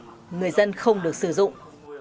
nước sạch người dân không được xây dựng